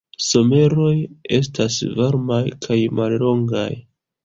Someroj estas varmaj kaj mallongaj.